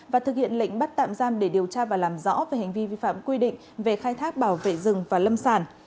và thực hiện lệnh bắt tạm giam để điều tra và làm rõ về hành vi vi phạm quy định về khai thác bảo vệ rừng và lâm sản